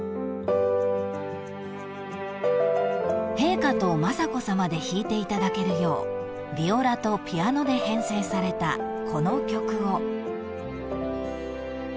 ［陛下と雅子さまで弾いていただけるようビオラとピアノで編成されたこの曲を］